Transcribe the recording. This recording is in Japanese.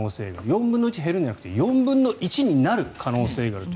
４分の１減るんじゃなくて４分の１になる可能性があると。